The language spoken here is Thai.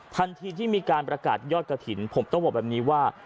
ทันทีที่มีการประกาศยอดกระถิ่นผมต้องบอกแบบนี้ว่า